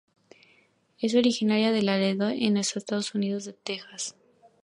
Es originaria de Laredo en el estado de Texas en Estados Unidos.